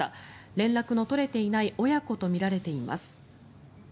連絡の取れていない親子とみられています。